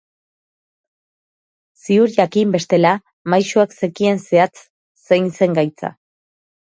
Ziur jakin, bestela, Maisuak zekien zehatz zein zen gaitza.